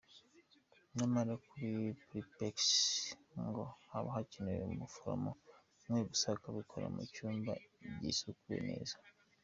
Nyamara kuri prepex ngo haba hakenewe umuforomo umwe gusa akabikorera mu cyumba gisukuye neza.